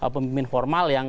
pemimpin formal yang